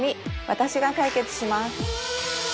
私が解決します